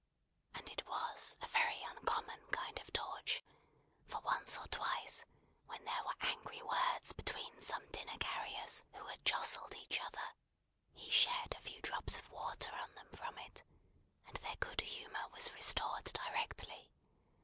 And it was a very uncommon kind of torch, for once or twice when there were angry words between some dinner carriers who had jostled each other, he shed a few drops of water on them from it, and their good humour was restored directly.